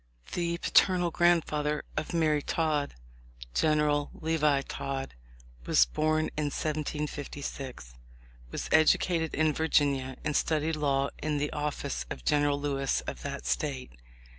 The paternal grandfather of Mary Todd, General Levi Todd, was born in 1756, was educated in Vir ginia, and studied law in the office of General Lewis of the State.